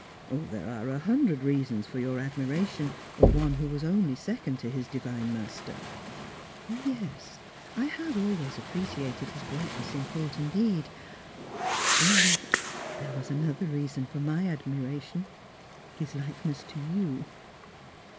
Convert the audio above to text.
" There are a hundred reasons for your admiration of one who was only second to his Divine Master." "Tes, I have always appreciated his greatness in thought and deed ; only there was another reason for my admiration — his liken ess to you."